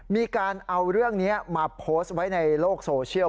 มีการเอาเรื่องนี้มาโพสต์ไว้ในโลกโซเชียล